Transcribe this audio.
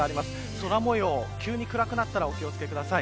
空模様、急に暗くなったらお気を付けください。